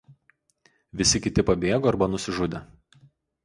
Visi kiti pabėgo arba nusižudė.